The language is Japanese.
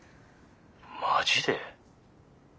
マジで？